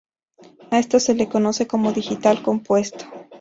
A esto se le conoce como digital compuesto.